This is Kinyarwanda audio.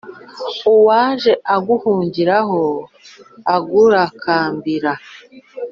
uwaj e aguhungira ho agurakambira